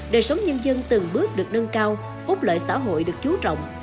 đời sống nhân dân từng bước được nâng cao phúc lợi xã hội được chú trọng